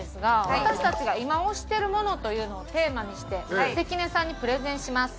私たちが今推しているものというのをテーマにして関根さんにプレゼンします。